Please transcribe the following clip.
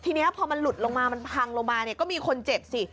ทีนี้พอลุดลงมามันพังลงมาก็มีมีคนเจ็บสิ